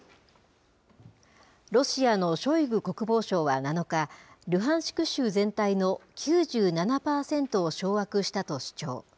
ロシアのショイグ国防相は７日、ルハンシク州全体の９７％を掌握したと主張。